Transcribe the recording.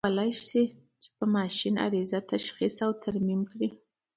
څوک کولای شي چې په ماشین کې عارضه تشخیص او هغه ترمیم کړي؟